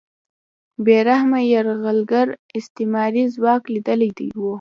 بې رحمه یرغلګر استعماري ځواک لیدلی و